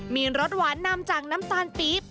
มีรสหวานนำจากน้ำตาลปี๊บ